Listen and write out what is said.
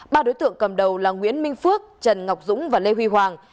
ba đối tượng cầm đầu là nguyễn minh phước trần ngọc dũng và lê huy hoàng